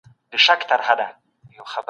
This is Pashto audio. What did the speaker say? سياسي پوهاوی د هري ټولني لپاره اړين دی.